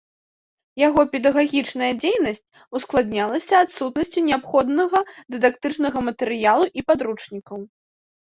Яго педагагічная дзейнасць ускладнялася адсутнасцю неабходнага дыдактычнага матэрыялу і падручнікаў.